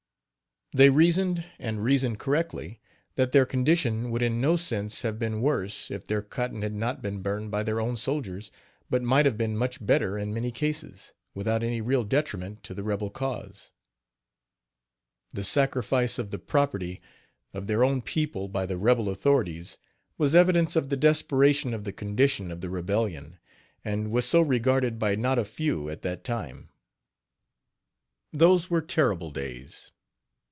They reasoned, and reasoned correctly, that their condition would in no sense have been worse if their cotton had not been burned by their own soldiers, but might have been much better in many cases, without any real detriment to the rebel cause. The sacrifice of the property of their own people by the rebel authorities, was evidence of the desperation of the condition of the rebellion, and was so regarded by not a few at that time. Those were terrible days.